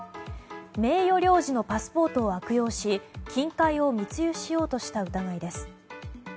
名誉領事のパスポートを悪用し金塊を密輸しようとした疑いです。